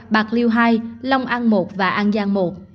bạc liêu hai long an một và an giang i